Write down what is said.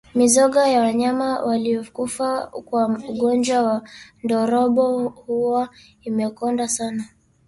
Mizoga ya wanyama waliokufa kwa ugonjwa wa ndorobo huwa imekonda sana